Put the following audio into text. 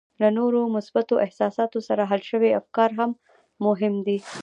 له نورو مثبتو احساساتو سره حل شوي افکار هم مهم دي